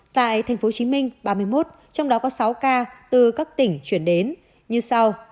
tại tp hcm ba mươi một trong đó có sáu ca từ các tỉnh chuyển đến như sau